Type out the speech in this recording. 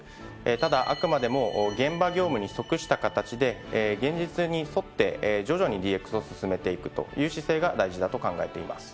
ただあくまでも現場業務に即した形で現実に沿って徐々にＤＸを進めていくという姿勢が大事だと考えています。